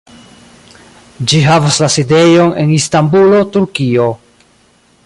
Ĝi havas la sidejon en Istanbulo, Turkio.